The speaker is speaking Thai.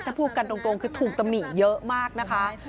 ถ้าพูดกันตรงคือถูกตำหนิเยอะมากนะคะ